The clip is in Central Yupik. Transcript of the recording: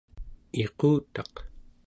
iqutaq